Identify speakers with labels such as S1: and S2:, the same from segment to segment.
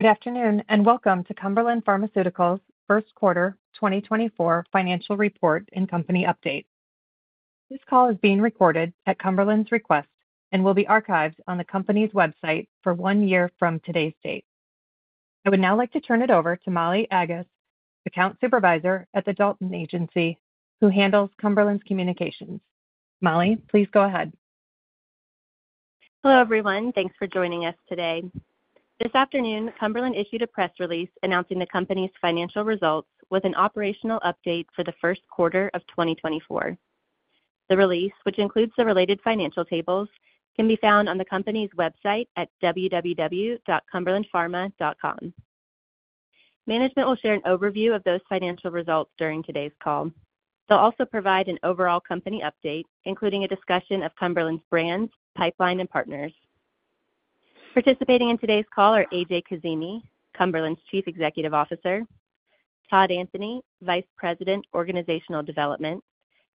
S1: Good afternoon, and welcome to Cumberland Pharmaceuticals' First Quarter 2024 Financial Report and Company Update. This call is being recorded at Cumberland's request and will be archived on the company's website for one year from today's date. I would now like to turn it over to Molly Aggas, Account Supervisor at The Dalton Agency, who handles Cumberland's communications. Molly, please go ahead.
S2: Hello, everyone. Thanks for joining us today. This afternoon, Cumberland issued a press release announcing the company's financial results with an operational update for the first quarter of 2024. The release, which includes the related financial tables, can be found on the company's website at www.cumberlandpharma.com. Management will share an overview of those financial results during today's call. They'll also provide an overall company update, including a discussion of Cumberland's brands, pipeline, and partners. Participating in today's call are A.J. Kazimi, Cumberland's Chief Executive Officer, Todd Anthony, Vice President, Organizational Development,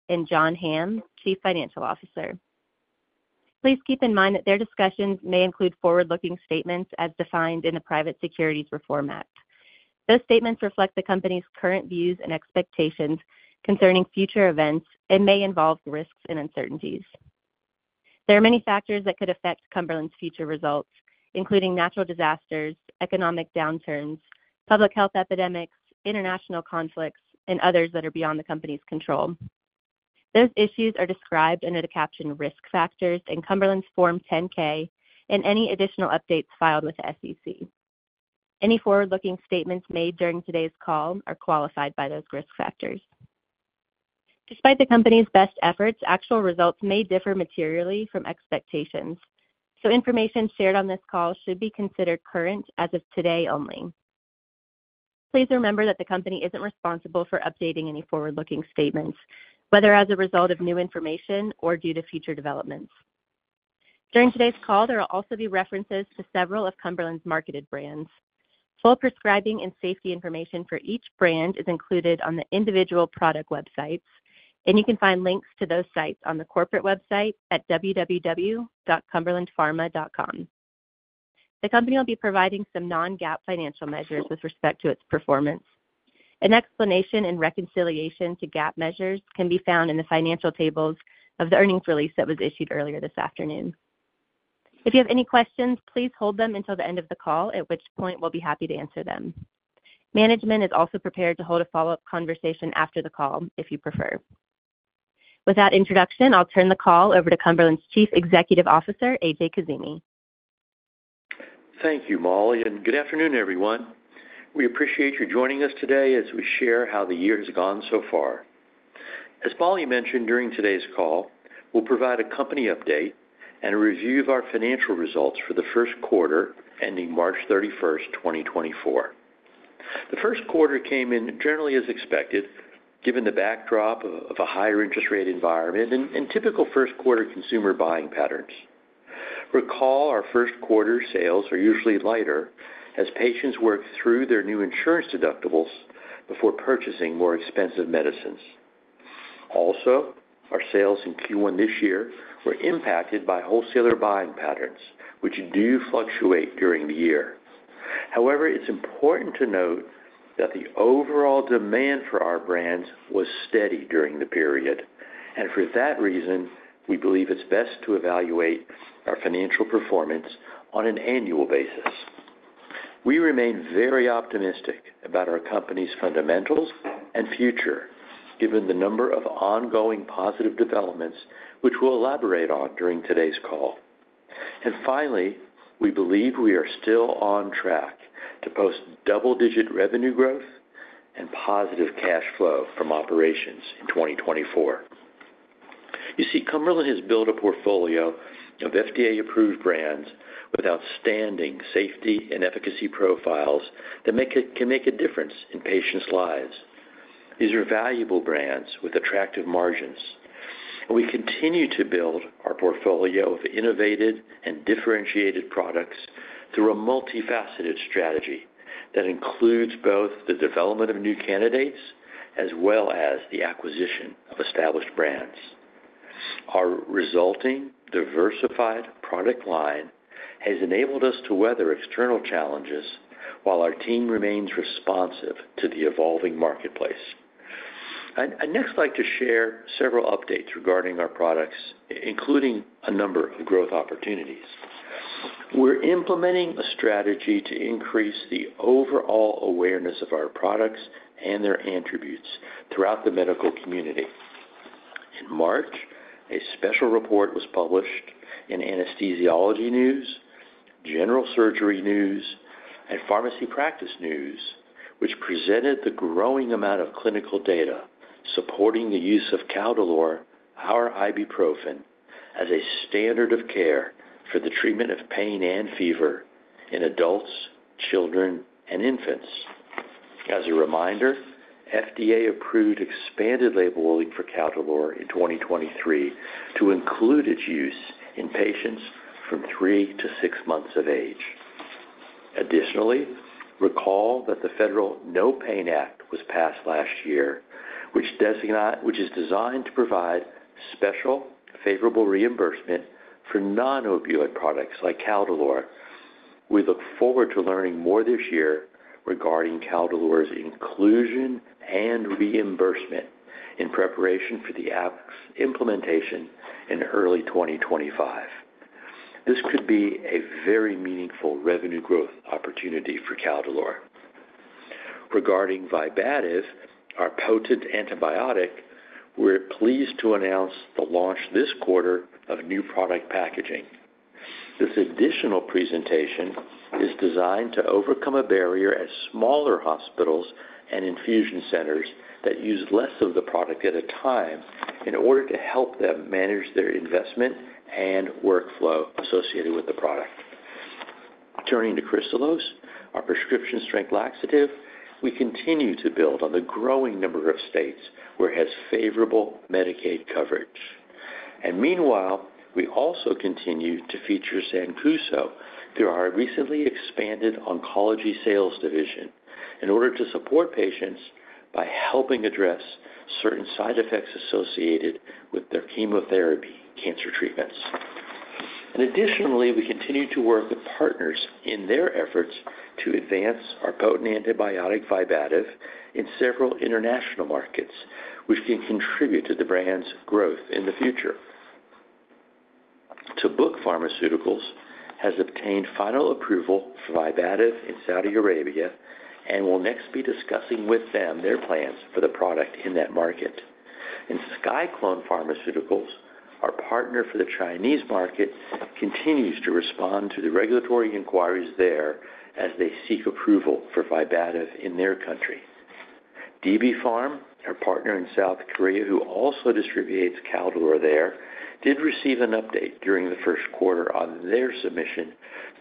S2: and John Hamm, Chief Financial Officer. Please keep in mind that their discussions may include forward-looking statements as defined in the Private Securities Litigation Reform Act. Those statements reflect the company's current views and expectations concerning future events and may involve risks and uncertainties. There are many factors that could affect Cumberland's future results, including natural disasters, economic downturns, public health epidemics, international conflicts, and others that are beyond the company's control. Those issues are described under the caption Risk Factors in Cumberland's Form 10-K and any additional updates filed with the SEC. Any forward-looking statements made during today's call are qualified by those risk factors. Despite the company's best efforts, actual results may differ materially from expectations, so information shared on this call should be considered current as of today only. Please remember that the company isn't responsible for updating any forward-looking statements, whether as a result of new information or due to future developments. During today's call, there will also be references to several of Cumberland's marketed brands. Full prescribing and safety information for each brand is included on the individual product websites, and you can find links to those sites on the corporate website at www.cumberlandpharma.com. The company will be providing some non-GAAP financial measures with respect to its performance. An explanation and reconciliation to GAAP measures can be found in the financial tables of the earnings release that was issued earlier this afternoon. If you have any questions, please hold them until the end of the call, at which point we'll be happy to answer them. Management is also prepared to hold a follow-up conversation after the call, if you prefer. With that introduction, I'll turn the call over to Cumberland's Chief Executive Officer, A.J. Kazimi.
S3: Thank you, Molly, and good afternoon, everyone. We appreciate you joining us today as we share how the year has gone so far. As Molly mentioned, during today's call, we'll provide a company update and a review of our financial results for the first quarter, ending March 31st, 2024. The first quarter came in generally as expected, given the backdrop of a higher interest rate environment and typical first quarter consumer buying patterns. Recall, our first quarter sales are usually lighter as patients work through their new insurance deductibles before purchasing more expensive medicines. Also, our sales in Q1 this year were impacted by wholesaler buying patterns, which do fluctuate during the year. However, it's important to note that the overall demand for our brands was steady during the period, and for that reason, we believe it's best to evaluate our financial performance on an annual basis. We remain very optimistic about our company's fundamentals and future, given the number of ongoing positive developments which we'll elaborate on during today's call. And finally, we believe we are still on track to post double-digit revenue growth and positive cash flow from operations in 2024. You see, Cumberland has built a portfolio of FDA-approved brands with outstanding safety and efficacy profiles that can make a difference in patients' lives. These are valuable brands with attractive margins. We continue to build our portfolio of innovative and differentiated products through a multifaceted strategy that includes both the development of new candidates as well as the acquisition of established brands. Our resulting diversified product line has enabled us to weather external challenges while our team remains responsive to the evolving marketplace. I'd next like to share several updates regarding our products, including a number of growth opportunities. We're implementing a strategy to increase the overall awareness of our products and their attributes throughout the medical community. In March, a special report was published in Anesthesiology News, General Surgery News, and Pharmacy Practice News, which presented the growing amount of clinical data supporting the use of Caldolor, our ibuprofen, as a standard of care for the treatment of pain and fever in adults, children, and infants. As a reminder, FDA approved expanded labeling for Caldolor in 2023 to include its use in patients from 3 to 6 months of age. Additionally, recall that the Federal NOPAIN Act was passed last year, which is designed to provide special favorable reimbursement for non-opioid products like Caldolor. We look forward to learning more this year regarding Caldolor's inclusion and reimbursement in preparation for the Act's implementation in early 2025. This could be a very meaningful revenue growth opportunity for Caldolor. Regarding Vibativ, our potent antibiotic, we're pleased to announce the launch this quarter of new product packaging. This additional presentation is designed to overcome a barrier at smaller hospitals and infusion centers that use less of the product at a time in order to help them manage their investment and workflow associated with the product. Turning to Kristalose, our prescription strength laxative, we continue to build on the growing number of states where it has favorable Medicaid coverage. Meanwhile, we also continue to feature Sancuso through our recently expanded oncology sales division, in order to support patients by helping address certain side effects associated with their chemotherapy cancer treatments. Additionally, we continue to work with partners in their efforts to advance our potent antibiotic, Vibativ, in several international markets, which can contribute to the brand's growth in the future. Tabuk Pharmaceuticals has obtained final approval for Vibativ in Saudi Arabia and will next be discussing with them their plans for the product in that market. SciClone Pharmaceuticals, our partner for the Chinese market, continues to respond to the regulatory inquiries there as they seek approval for Vibativ in their country. DB Pharm, our partner in South Korea, who also distributes Caldolor there, did receive an update during the first quarter on their submission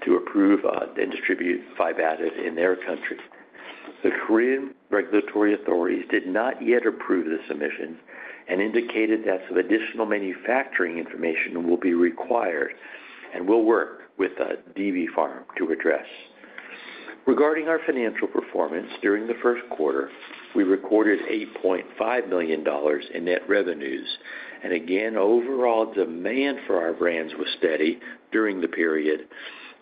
S3: to approve and distribute Vibativ in their country. The Korean regulatory authorities did not yet approve the submission and indicated that some additional manufacturing information will be required and we'll work with DB Pharm to address. Regarding our financial performance, during the first quarter, we recorded $8.5 million in net revenues, and again, overall demand for our brands was steady during the period,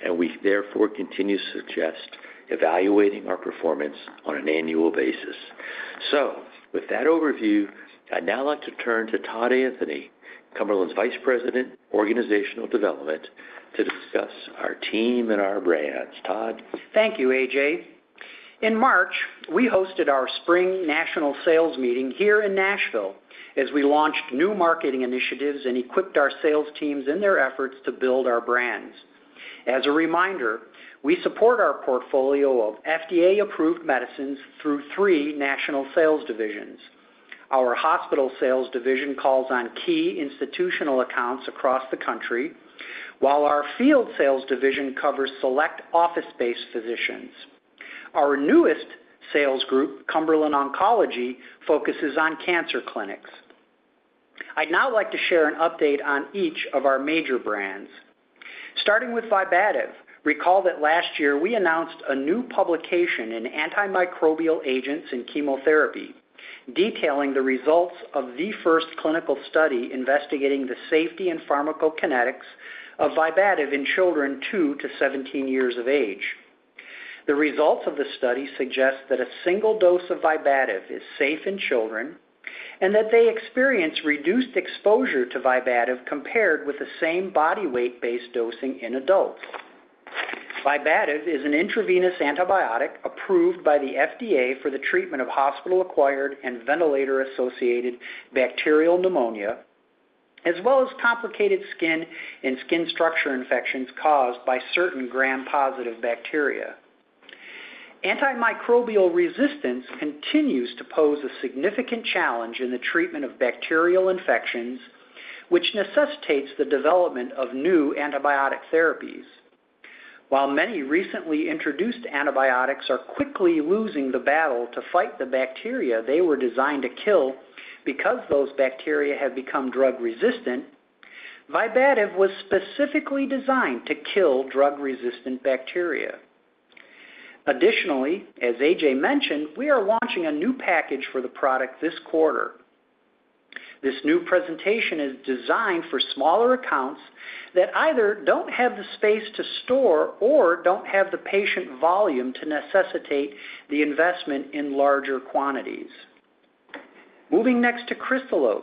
S3: and we therefore continue to suggest evaluating our performance on an annual basis. So with that overview, I'd now like to turn to Todd Anthony, Cumberland's Vice President, Organizational Development, to discuss our team and our brands. Todd?
S4: Thank you, A.J. In March, we hosted our spring national sales meeting here in Nashville as we launched new marketing initiatives and equipped our sales teams in their efforts to build our brands. As a reminder, we support our portfolio of FDA-approved medicines through 3 national sales divisions. Our hospital sales division calls on key institutional accounts across the country, while our field sales division covers select office-based physicians. Our newest sales group, Cumberland Oncology, focuses on cancer clinics. I'd now like to share an update on each of our major brands. Starting with Vibativ, recall that last year we announced a new publication in Antimicrobial Agents and Chemotherapy, detailing the results of the first clinical study investigating the safety and pharmacokinetics of Vibativ in children 2-17 years of age. The results of the study suggest that a single dose of Vibativ is safe in children, and that they experience reduced exposure to Vibativ compared with the same body weight-based dosing in adults. Vibativ is an intravenous antibiotic approved by the FDA for the treatment of hospital-acquired and ventilator-associated bacterial pneumonia, as well as complicated skin and skin structure infections caused by certain Gram-positive bacteria. Antimicrobial resistance continues to pose a significant challenge in the treatment of bacterial infections, which necessitates the development of new antibiotic therapies. While many recently introduced antibiotics are quickly losing the battle to fight the bacteria they were designed to kill because those bacteria have become drug resistant, Vibativ was specifically designed to kill drug-resistant bacteria. Additionally, as A.J. mentioned, we are launching a new package for the product this quarter. This new presentation is designed for smaller accounts that either don't have the space to store or don't have the patient volume to necessitate the investment in larger quantities. Moving next to Kristalose,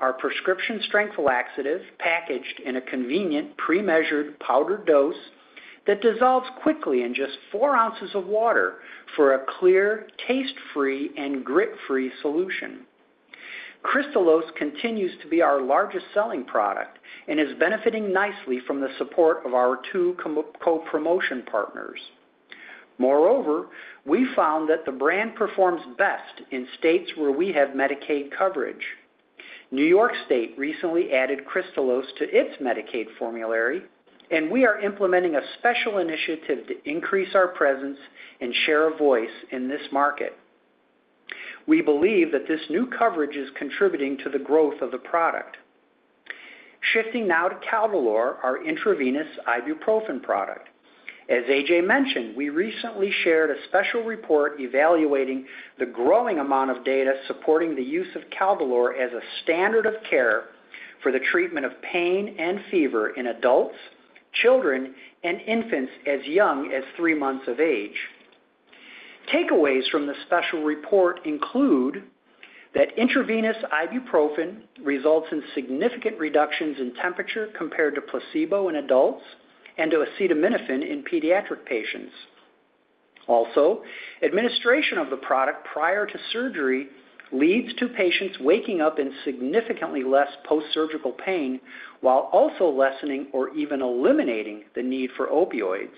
S4: our prescription strength laxative packaged in a convenient, pre-measured powdered dose that dissolves quickly in just four ounces of water for a clear, taste-free, and grit-free solution. Kristalose continues to be our largest selling product and is benefiting nicely from the support of our two co-promotion partners. Moreover, we found that the brand performs best in states where we have Medicaid coverage. New York State recently added Kristalose to its Medicaid formulary, and we are implementing a special initiative to increase our presence and share of voice in this market. We believe that this new coverage is contributing to the growth of the product. Shifting now to Caldolor, our intravenous ibuprofen product... As A.J. mentioned, we recently shared a special report evaluating the growing amount of data supporting the use of Caldolor as a standard of care for the treatment of pain and fever in adults, children, and infants as young as three months of age. Takeaways from the special report include that intravenous ibuprofen results in significant reductions in temperature compared to placebo in adults and to acetaminophen in pediatric patients. Also, administration of the product prior to surgery leads to patients waking up in significantly less postsurgical pain, while also lessening or even eliminating the need for opioids.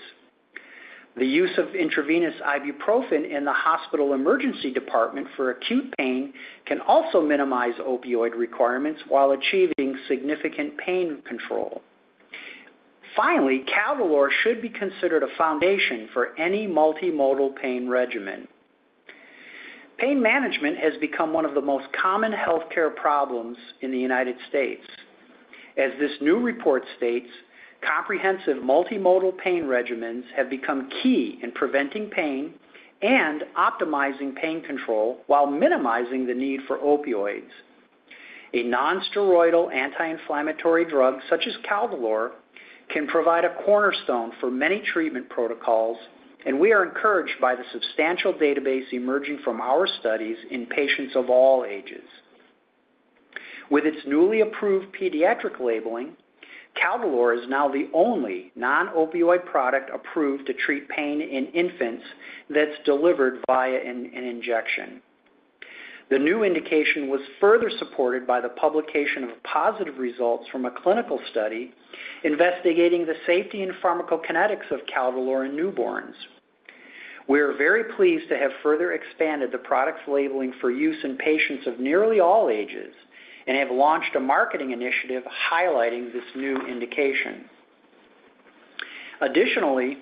S4: The use of intravenous ibuprofen in the hospital emergency department for acute pain can also minimize opioid requirements while achieving significant pain control. Finally, Caldolor should be considered a foundation for any multimodal pain regimen. Pain management has become one of the most common healthcare problems in the United States. As this new report states, comprehensive multimodal pain regimens have become key in preventing pain and optimizing pain control while minimizing the need for opioids. A nonsteroidal anti-inflammatory drug, such as Caldolor, can provide a cornerstone for many treatment protocols, and we are encouraged by the substantial database emerging from our studies in patients of all ages. With its newly approved pediatric labeling, Caldolor is now the only non-opioid product approved to treat pain in infants that's delivered via an injection. The new indication was further supported by the publication of positive results from a clinical study investigating the safety and pharmacokinetics of Caldolor in newborns. We are very pleased to have further expanded the product's labeling for use in patients of nearly all ages and have launched a marketing initiative highlighting this new indication. Additionally,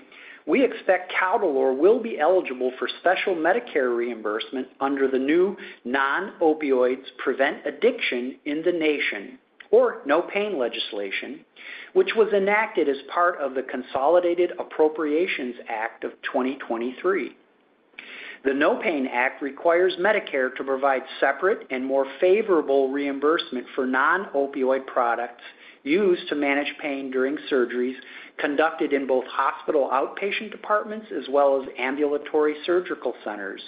S4: we expect Caldolor will be eligible for special Medicare reimbursement under the new Non-Opioids Prevent Addiction in the Nation, or NOPAIN legislation, which was enacted as part of the Consolidated Appropriations Act of 2023. The NOPAIN Act requires Medicare to provide separate and more favorable reimbursement for non-opioid products used to manage pain during surgeries conducted in both hospital outpatient departments as well as ambulatory surgical centers.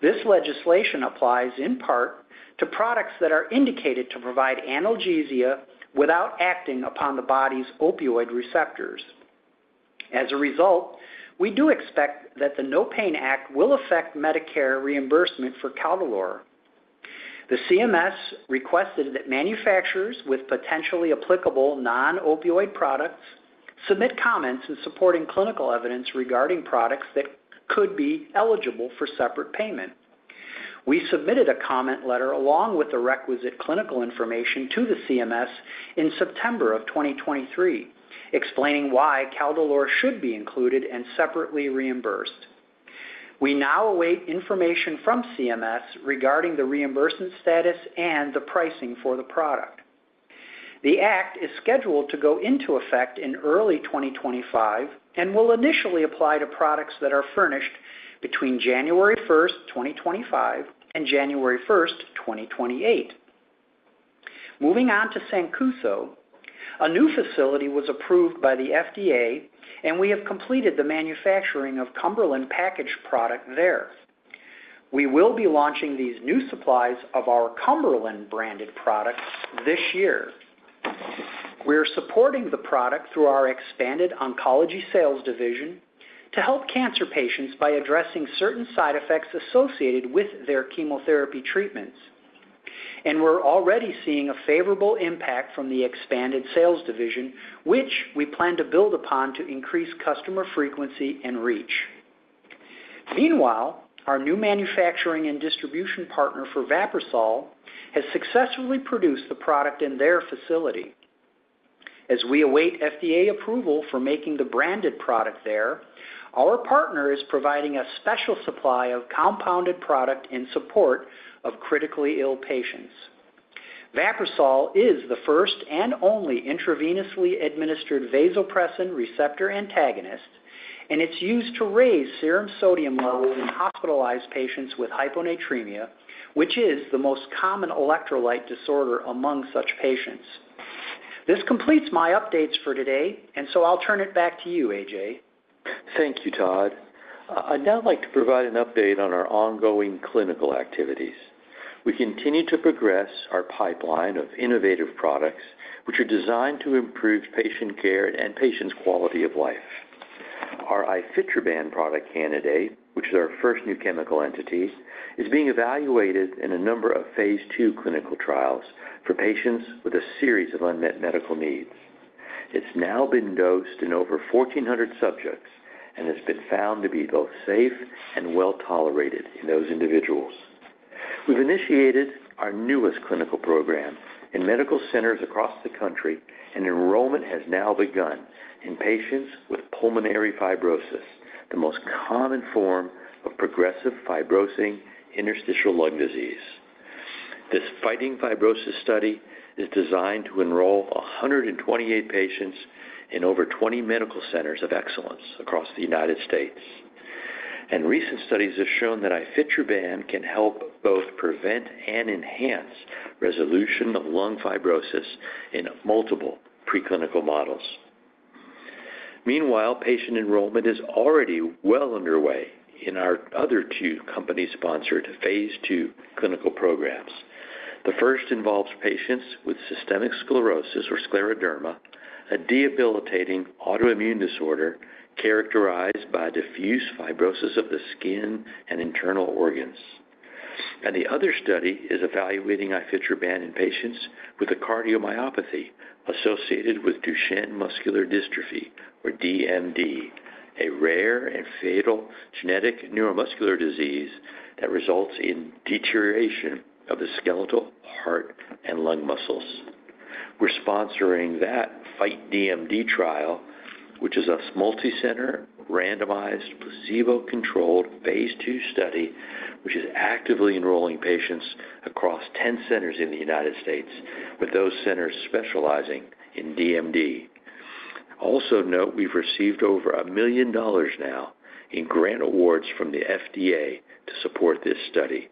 S4: This legislation applies in part to products that are indicated to provide analgesia without acting upon the body's opioid receptors. As a result, we do expect that the NOPAIN Act will affect Medicare reimbursement for Caldolor. The CMS requested that manufacturers with potentially applicable non-opioid products submit comments and supporting clinical evidence regarding products that could be eligible for separate payment. We submitted a comment letter, along with the requisite clinical information, to the CMS in September 2023, explaining why Caldolor should be included and separately reimbursed. We now await information from CMS regarding the reimbursement status and the pricing for the product. The act is scheduled to go into effect in early 2025 and will initially apply to products that are furnished between January 1, 2025, and January 1, 2028. Moving on to Sancuso, a new facility was approved by the FDA, and we have completed the manufacturing of Cumberland packaged product there. We will be launching these new supplies of our Cumberland-branded products this year. We are supporting the product through our expanded oncology sales division to help cancer patients by addressing certain side effects associated with their chemotherapy treatments. We're already seeing a favorable impact from the expanded sales division, which we plan to build upon to increase customer frequency and reach. Meanwhile, our new manufacturing and distribution partner for Vaprisol has successfully produced the product in their facility. As we await FDA approval for making the branded product there, our partner is providing a special supply of compounded product in support of critically ill patients. Vaprisol is the first and only intravenously administered vasopressin receptor antagonist, and it's used to raise serum sodium levels in hospitalized patients with hyponatremia, which is the most common electrolyte disorder among such patients. This completes my updates for today, and so I'll turn it back to you, A.J.
S3: Thank you, Todd. I'd now like to provide an update on our ongoing clinical activities. We continue to progress our pipeline of innovative products, which are designed to improve patient care and patients' quality of life. Our ifetroban product candidate, which is our first new chemical entity, is being evaluated in a number of Phase II clinical trials for patients with a series of unmet medical needs. It's now been dosed in over 1,400 subjects and has been found to be both safe and well-tolerated in those individuals. We've initiated our newest clinical program in medical centers across the country, and enrollment has now begun in patients with pulmonary fibrosis, the most common form of progressive fibrosing interstitial lung disease. This Fighting Fibrosis study is designed to enroll 128 patients in over 20 medical centers of excellence across the United States. Recent studies have shown that ifetroban can help both prevent and enhance resolution of lung fibrosis in multiple preclinical models. Meanwhile, patient enrollment is already well underway in our other two company-sponsored phase II clinical programs. The first involves patients with systemic sclerosis or scleroderma, a debilitating autoimmune disorder characterized by diffuse fibrosis of the skin and internal organs. And the other study is evaluating ifetroban in patients with a cardiomyopathy associated with Duchenne muscular dystrophy, or DMD, a rare and fatal genetic neuromuscular disease that results in deterioration of the skeletal, heart, and lung muscles. We're sponsoring that Fight DMD trial, which is a multicenter, randomized, placebo-controlled Phase II study, which is actively enrolling patients across 10 centers in the United States, with those centers specializing in DMD. Also note, we've received over $1 million now in grant awards from the FDA to support this study.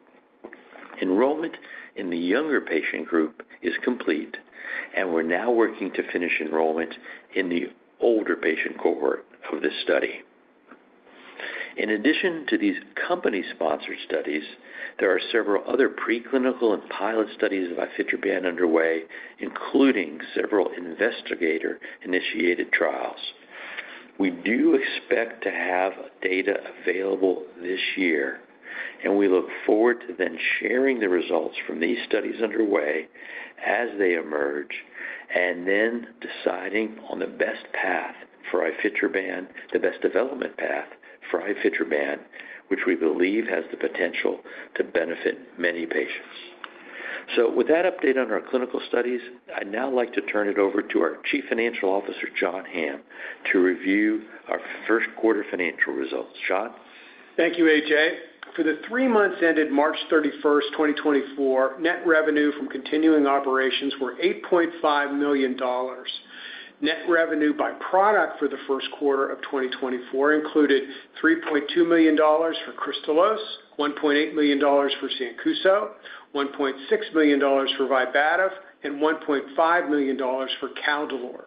S3: Enrollment in the younger patient group is complete, and we're now working to finish enrollment in the older patient cohort for this study. In addition to these company-sponsored studies, there are several other preclinical and pilot studies of ifetroban underway, including several investigator-initiated trials. We do expect to have data available this year, and we look forward to then sharing the results from these studies underway as they emerge, and then deciding on the best path for ifetroban, the best development path for ifetroban, which we believe has the potential to benefit many patients. With that update on our clinical studies, I'd now like to turn it over to our Chief Financial Officer, John Hamm, to review our first quarter financial results. John?
S5: Thank you, A.J. For the three months ended March 31, 2024, net revenue from continuing operations were $8.5 million. Net revenue by product for the first quarter of 2024 included $3.2 million for Kristalose, $1.8 million for Sancuso, $1.6 million for Vibativ, and $1.5 million for Caldolor.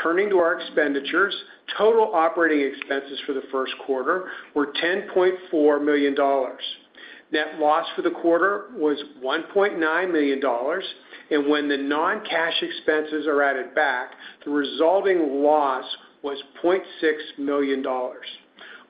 S5: Turning to our expenditures, total operating expenses for the first quarter were $10.4 million. Net loss for the quarter was $1.9 million, and when the non-cash expenses are added back, the resulting loss was $0.6 million.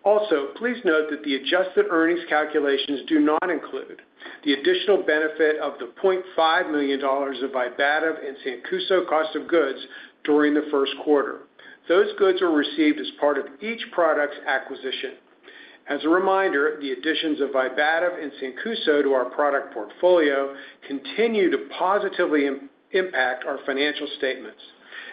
S5: Also, please note that the adjusted earnings calculations do not include the additional benefit of the $0.5 million of Vibativ and Sancuso cost of goods during the first quarter. Those goods were received as part of each product's acquisition. As a reminder, the additions of Vibativ and Sancuso to our product portfolio continue to positively impact our financial statements.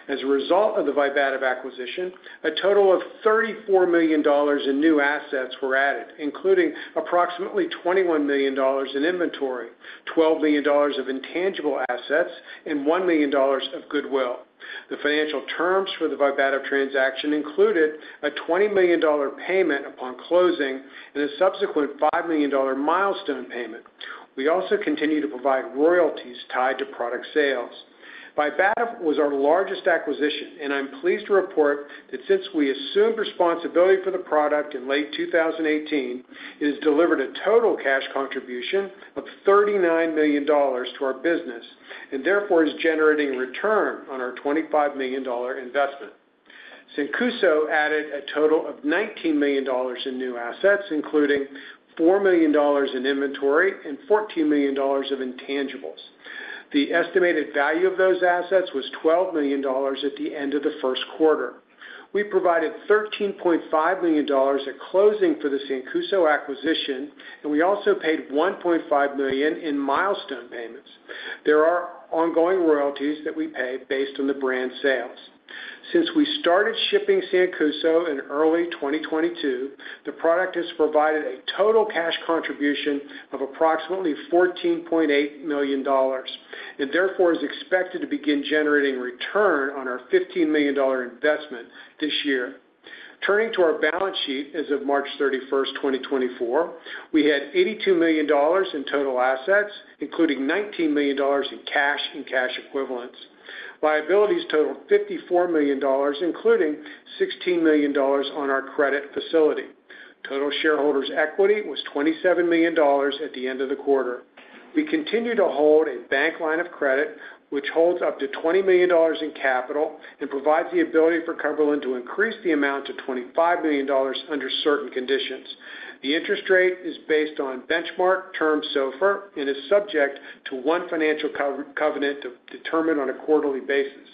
S5: As a result of the Vibativ acquisition, a total of $34 million in new assets were added, including approximately $21 million in inventory, $12 million of intangible assets, and $1 million of goodwill. The financial terms for the Vibativ transaction included a $20 million payment upon closing and a subsequent $5 million milestone payment. We also continue to provide royalties tied to product sales. Vibativ was our largest acquisition, and I'm pleased to report that since we assumed responsibility for the product in late 2018, it has delivered a total cash contribution of $39 million to our business, and therefore, is generating return on our $25 million investment. Sancuso added a total of $19 million in new assets, including $4 million in inventory and $14 million of intangibles. The estimated value of those assets was $12 million at the end of the first quarter. We provided $13.5 million at closing for the Sancuso acquisition, and we also paid $1.5 million in milestone payments. There are ongoing royalties that we pay based on the brand sales. Since we started shipping Sancuso in early 2022, the product has provided a total cash contribution of approximately $14.8 million, and therefore, is expected to begin generating return on our $15 million investment this year. Turning to our balance sheet, as of March 31, 2024, we had $82 million in total assets, including $19 million in cash and cash equivalents. Liabilities totaled $54 million, including $16 million on our credit facility. Total shareholders' equity was $27 million at the end of the quarter. We continue to hold a bank line of credit, which holds up to $20 million in capital and provides the ability for Cumberland to increase the amount to $25 million under certain conditions. The interest rate is based on benchmark Term SOFR and is subject to one financial covenant to determine on a quarterly basis.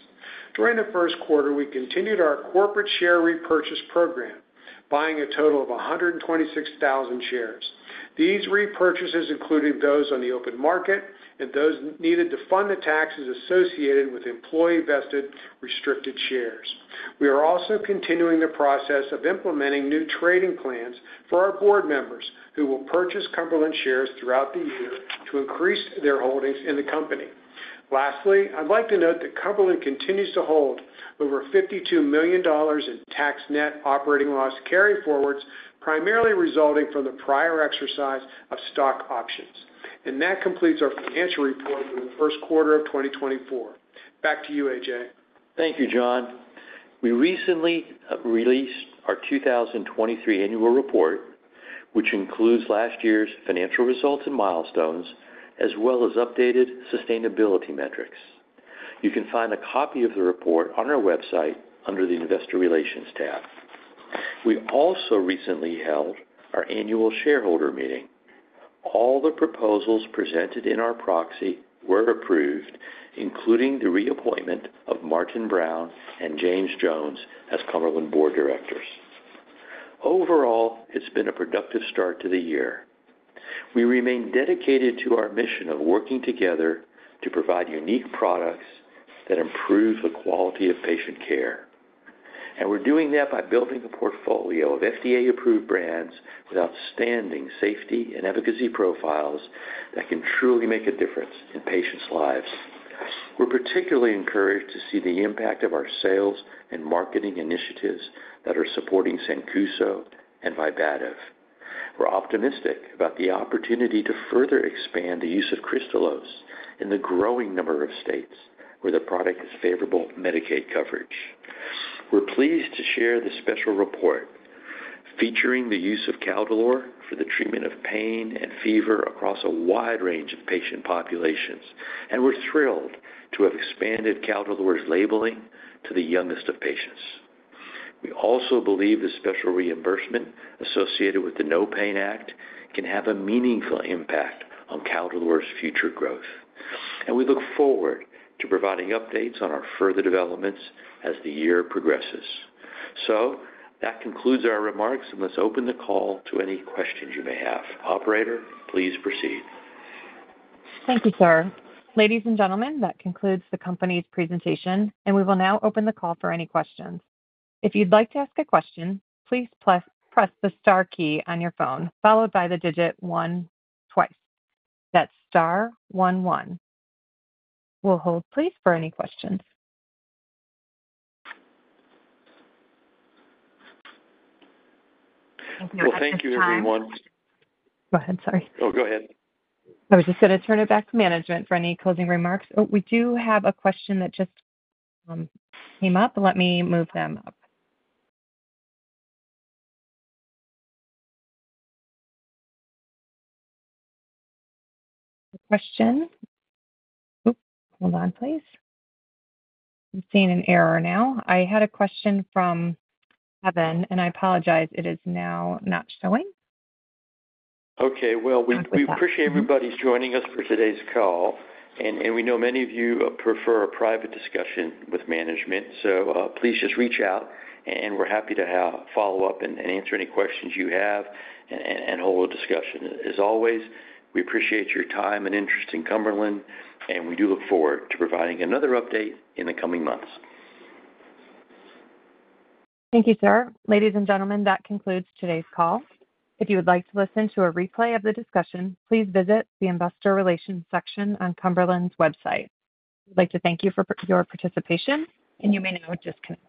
S5: During the first quarter, we continued our corporate share repurchase program, buying a total of 126,000 shares. These repurchases included those on the open market and those needed to fund the taxes associated with employee-vested restricted shares. We are also continuing the process of implementing new trading plans for our board members, who will purchase Cumberland shares throughout the year to increase their holdings in the company. Lastly, I'd like to note that Cumberland continues to hold over $52 million in tax net operating loss carryforwards, primarily resulting from the prior exercise of stock options. That completes our financial report for the first quarter of 2024. Back to you, A.J.
S3: Thank you, John. We recently released our 2023 annual report, which includes last year's financial results and milestones, as well as updated sustainability metrics. You can find a copy of the report on our website under the Investor Relations tab. We also recently held our annual shareholder meeting. All the proposals presented in our proxy were approved, including the reappointment of Martin Brown and James Jones as Cumberland Board of Directors. Overall, it's been a productive start to the year. We remain dedicated to our mission of working together to provide unique products that improve the quality of patient care, and we're doing that by building a portfolio of FDA-approved brands with outstanding safety and efficacy profiles that can truly make a difference in patients' lives. We're particularly encouraged to see the impact of our sales and marketing initiatives that are supporting Sancuso and Vibativ. We're optimistic about the opportunity to further expand the use of Kristalose in the growing number of states where the product has favorable Medicaid coverage. We're pleased to share the special report featuring the use of Caldolor for the treatment of pain and fever across a wide range of patient populations, and we're thrilled to have expanded Caldolor's labeling to the youngest of patients. We also believe the special reimbursement associated with the NOPAIN Act can have a meaningful impact on Caldolor's future growth, and we look forward to providing updates on our further developments as the year progresses. So that concludes our remarks, and let's open the call to any questions you may have. Operator, please proceed.
S1: Thank you, sir. Ladies and gentlemen, that concludes the company's presentation, and we will now open the call for any questions. If you'd like to ask a question, please press the star key on your phone, followed by the digit one twice. That's star one, one. We'll hold, please, for any questions.
S3: Well, thank you, everyone.
S1: Go ahead. Sorry.
S3: Oh, go ahead.
S1: I was just going to turn it back to management for any closing remarks. Oh, we do have a question that just came up. Let me move them up. Question. Oops! Hold on, please. I'm seeing an error now. I had a question from Kevin, and I apologize, it is now not showing.
S3: Okay, well, we appreciate everybody's joining us for today's call, and we know many of you prefer a private discussion with management, so please just reach out, and we're happy to have follow-up and answer any questions you have and hold a discussion. As always, we appreciate your time and interest in Cumberland, and we do look forward to providing another update in the coming months.
S1: Thank you, sir. Ladies and gentlemen, that concludes today's call. If you would like to listen to a replay of the discussion, please visit the Investor Relations section on Cumberland's website. We'd like to thank you for your participation, and you may now disconnect.